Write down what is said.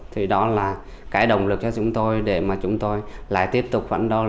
thì đó là cái động lực cho chúng tôi để mà chúng tôi lại tiếp tục vận động